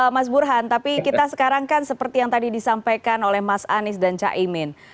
mas burhan tapi kita sekarang kan seperti yang tadi disampaikan oleh mas anies dan caimin